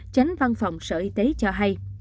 chánh văn phòng sở y tế cho hay